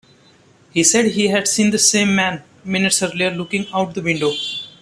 He said he had seen the same man minutes earlier looking out the window.